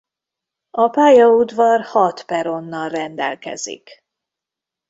A pályaudvar hat peronnal rendelkezik.